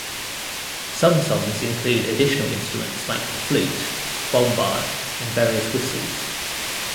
Some songs include additional instruments like the flute, bombarde and various whistles.